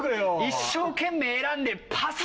一生懸命選んでパス！